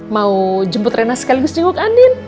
mau jemput rena sekaligus jenguk andin